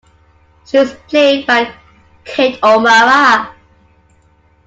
She was played by Kate O'Mara.